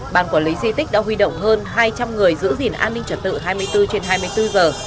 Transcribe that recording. ban quản lý di tích đã huy động hơn hai trăm linh người giữ gìn an ninh trật tự hai mươi bốn trên hai mươi bốn giờ